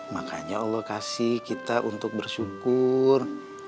makanya allah kasih kita untuk bersyukur